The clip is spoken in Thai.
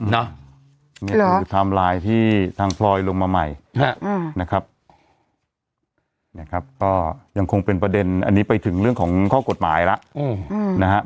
นี่คือไทม์ไลน์ที่ทางพลอยลงมาใหม่ยังคงเป็นประเด็นอันนี้ไปถึงเรื่องของข้อกฎหมายแล้ว